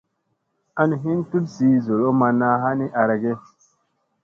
An hin tut zii zolo manna ha ni ara ge.